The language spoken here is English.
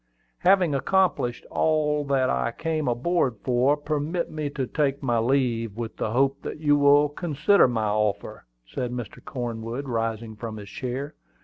"Having accomplished all that I came on board for, permit me to take my leave, with the hope that you will consider my offer," said Mr. Cornwood, rising from his chair.